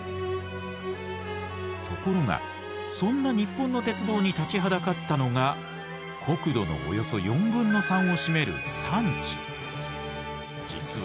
ところがそんな日本の鉄道に立ちはだかったのが国土のおよそ４分の３を占める山地！